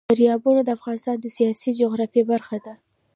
دریابونه د افغانستان د سیاسي جغرافیه برخه ده.